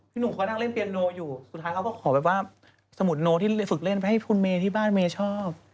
พี่หนูก็ก็แค่นั่งเล่นเพียนโนอยู่สุดท้ายเขาก็ขอบอ้าวนมเนาที่ฝึกเล่นไปให้พูดเมย์ที่บ้านเมย์ชอบ